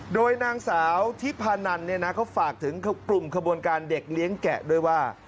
โดยนางสาวทิพานันเนี่ยนะเขาฝากถึงกลุ่มขบวนการเด็กเลี้ยงแกะด้วยว่า